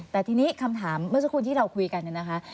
แต่ทีนี้คำถามเมื่อสักครู่ที่เราคุยกันเนี่ยนะคะ